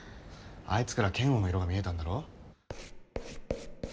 あいつから「嫌悪」の色が見えたんだろ？